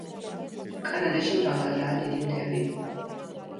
კანადაში მრავლადაა დიდი მთები.